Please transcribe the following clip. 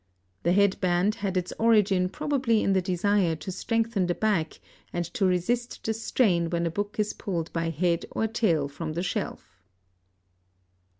The head band had its origin probably in the desire to strengthen the back and to resist the strain when a book is pulled by head or tail from the shelf.